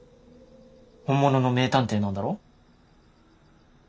本物の名探偵なんだろ？